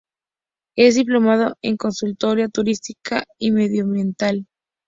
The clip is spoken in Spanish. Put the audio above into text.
Es diplomado en Consultoría Turística y Medioambiental.